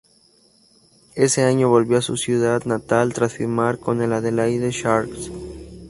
Ese año volvió a su ciudad natal tras firmar con el Adelaide Sharks.